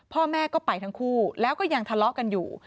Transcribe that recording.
พ่อแม่ก็ไปทั้งคู่แล้วก็ยังทะเลาะกันอยู่